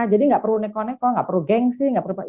jadi nggak perlu neko neko nggak perlu geng sih nggak perlu apa apa